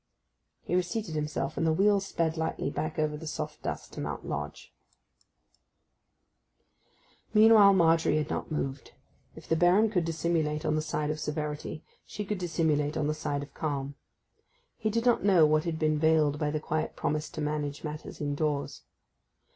He reseated himself, and the wheels sped lightly back over the soft dust to Mount Lodge. Meanwhile Margery had not moved. If the Baron could dissimulate on the side of severity she could dissimulate on the side of calm. He did not know what had been veiled by the quiet promise to manage matters indoors.